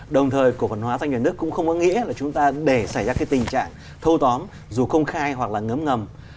đồng thời cổ phần hóa doanh nghiệp nước cũng không có nghĩa là chúng ta để xảy ra cái tình trạng thâu tóm dù công khai hoặc là ngấm ngầm